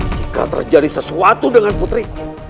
jika terjadi sesuatu dengan putri